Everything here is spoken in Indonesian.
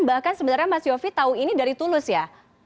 bahkan sebenarnya mas yofi tahu ini dari tulus ya